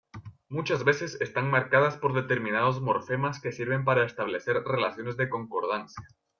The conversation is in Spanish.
Muchas veces están marcadas por determinados morfemas que sirven para establecer relaciones de concordancia.